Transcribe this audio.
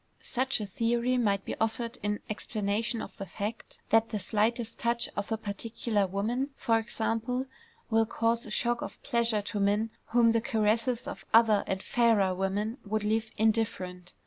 Such a theory might be offered in explanation of the fact that the slightest touch of a particular woman, for example, will cause a shock of pleasure to men whom the caresses of other and fairer women would leave indifferent.